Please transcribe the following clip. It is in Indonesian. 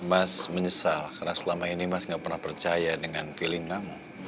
mas menyesal karena selama ini mas gak pernah percaya dengan feeling kamu